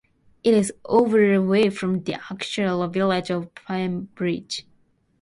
It is over away from the actual village of Pembridge.